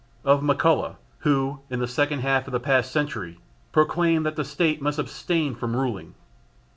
Of MacCulloch who, in the second half of the past century, proclaimed that the State must abstain from ruling?